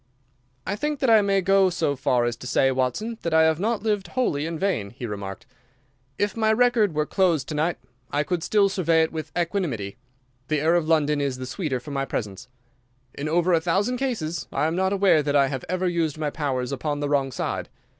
"I think that I may go so far as to say, Watson, that I have not lived wholly in vain," he remarked. "If my record were closed to night I could still survey it with equanimity. The air of London is the sweeter for my presence. In over a thousand cases I am not aware that I have ever used my powers upon the wrong side.